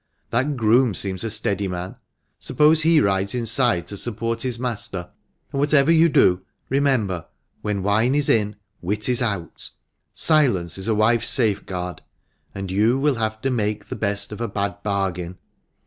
That groom seems a steady man ; suppose he rides inside to support his master ; and, whatever you do, remember when wine is in wit is out; silence is a wife's safeguard, and you will have to make the best of a bad bargain."